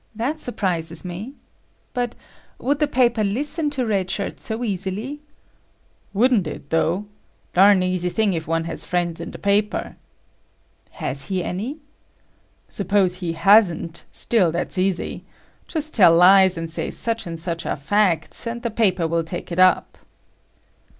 That surprises me. But would the paper listen to Red Shirt so easily?" "Wouldn't it, though. Darn easy thing if one has friends in the paper."[P] "Has he any?" "Suppose he hasn't, still that's easy. Just tell lies and say such and such are facts, and the paper will take it up."